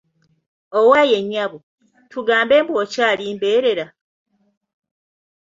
Owaaye nnyabo, tugambe mbu okyali mbeerera?